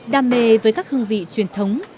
đam mê với các hương vị truyền thống